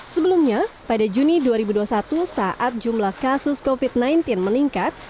sebelumnya pada juni dua ribu dua puluh satu saat jumlah kasus covid sembilan belas meningkat